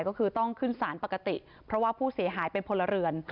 ก็คือต้องขึ้นสารปกติเพราะว่าผู้เสียหายเป็นพลเรือน